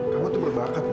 kamu tuh berbakat mil